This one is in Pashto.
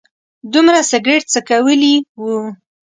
دومره سګرټ څکولي و.